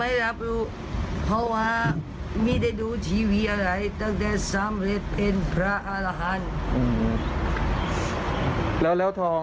รับรู้เพราะว่าไม่ได้ดูทีวีอะไรตั้งแต่สำเร็จเป็นพระอารหันต์แล้วทอง